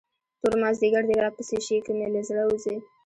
تور مازدیګر دې راپسې شي، که مې له زړه وځې.